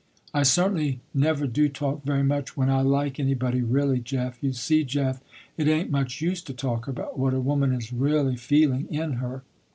"I certainly never do talk very much when I like anybody really, Jeff. You see, Jeff, it ain't much use to talk about what a woman is really feeling in her.